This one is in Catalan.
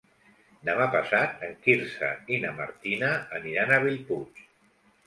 Demà passat en Quirze i na Martina aniran a Bellpuig.